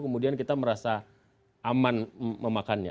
kemudian kita merasa aman memakannya